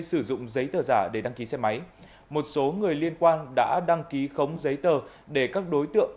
sử dụng giấy tờ giả để đăng ký xe máy một số người liên quan đã đăng ký khống giấy tờ để các đối tượng